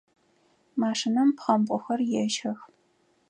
Машинэм пхъэмбгъухэр ещэх.